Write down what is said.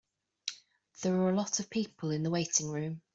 There were a lot of people in the waiting room.